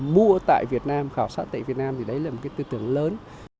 mua tại việt nam khảo sát tại việt nam thì đấy là một cái tư tưởng lớn